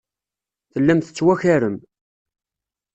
Tellam tettwakarem.